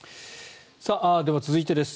では、続いてです。